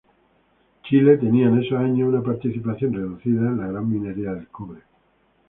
Chile tenía en esos años una participación reducida en la gran minería del cobre.